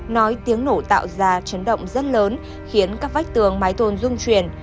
nói tiếng nổ tạo ra chấn động rất lớn khiến các vách tường máy tôn dung chuyển